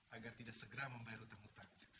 agar tidak segera membayar hutang hutangnya